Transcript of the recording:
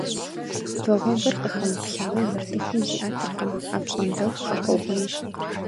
Вагъуэбэр къыхэмыплъауэ нартыхум зиӏэтыркъым, апщӏондэху хэхъуэгъуейщ.